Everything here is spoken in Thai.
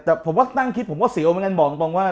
แต่ผมก็นั่งคิดผมก็เสียวเหมือนกันบอกตรงว่า